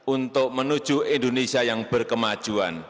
untuk menuju indonesia yang berkemajuan